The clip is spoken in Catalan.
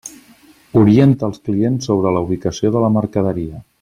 Orienta als clients sobre la ubicació de la mercaderia.